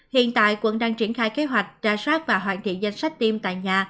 hiện tại quận đang triển khai kế hoạch ra soát và hoàn thiện danh sách tiêm tại nhà